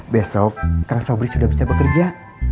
besok kang sobri sudah bisa bekerja